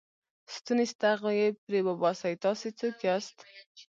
ستونی ستغ یې پرې وباسئ، تاسې څوک یاست؟